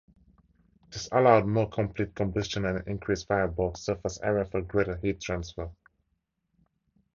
This allowed more complete combustion and increased firebox surface area for greater heat transfer.